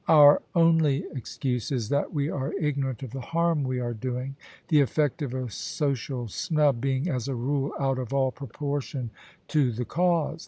Our only ex cuse is that we are ignorant of the harm we are doing, the e£Eect of a social snub being as a rule out of all proportion to THE SUBJECTION the cause.